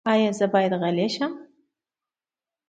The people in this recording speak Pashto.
ایا زه باید غلی شم؟